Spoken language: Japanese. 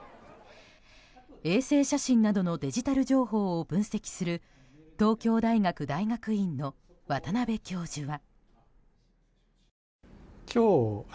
衛星写真などのデジタル情報を分析する東京大学大学院の渡邉教授は。